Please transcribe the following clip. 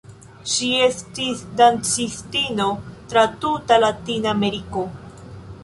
Ŝi estis dancistino tra tuta Latinameriko.